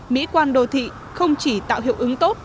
mỹ quan đô thị không chỉ tạo hiệu ứng tốt